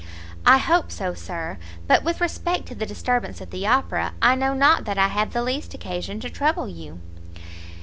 "I hope so, Sir; but with respect to the disturbance at the Opera, I know not that I have the least occasion to trouble you."